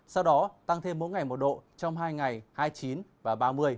sau đó tăng thêm mỗi ngày một độ trong hai ngày hai mươi chín và ba mươi